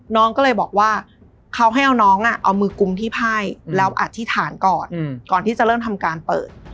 น้องก็เลยบอกว่าเขาให้เอาน้องเอามือกุมที่ไพ่แล้วอธิษฐานก่อนก่อนที่จะเริ่มทำการเปิด